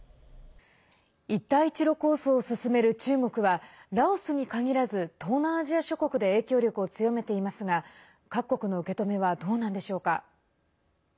一帯一路構想を進める中国はラオスに限らず東南アジア諸国で影響力を強めていますが各国の受け止めはどうなんでしょうか。